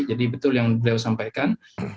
jadi betul yang beliau sampaikan